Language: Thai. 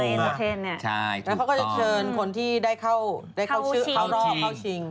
แล้วเขาก็จะเชิญคนที่ได้เข้ารอเข้าชิง